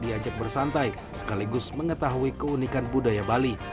dia juga diajak bersantai sekaligus mengetahui keunikan budaya bali